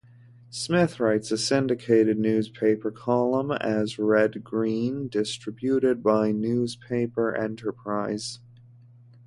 Smith writes a syndicated newspaper column as Red Green, distributed by Newspaper Enterprise Association.